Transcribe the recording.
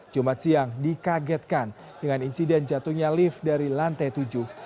jumat siang dikagetkan dengan insiden jatuhnya lift dari lantai tujuh